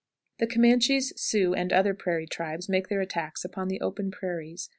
The Comanches, Sioux, and other prairie tribes make their attacks upon the open prairies.